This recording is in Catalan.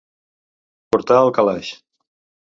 Portar al calaix.